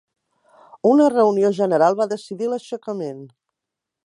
Una reunió general va decidir l'aixecament.